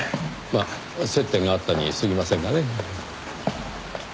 まあ接点があったに過ぎませんがね。